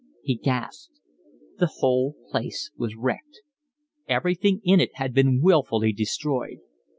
He gasped. The whole place was wrecked. Everything in it had been wilfully destroyed.